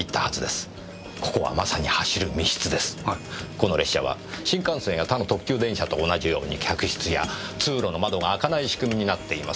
この列車は新幹線や他の特急電車と同じように客室や通路の窓が開かない仕組みになっています。